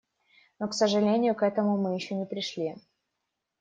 Но, к сожалению, к этому мы еще не пришли.